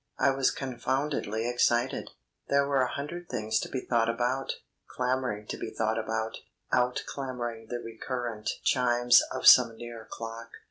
I was confoundedly excited; there were a hundred things to be thought about; clamouring to be thought about; out clamouring the re current chimes of some near clock.